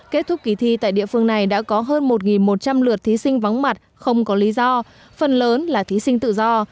kết thúc kỳ thi tại địa phương này đã có hơn một một trăm linh lượt thí sinh vắng mặt không có lý do phần lớn là thí sinh tự do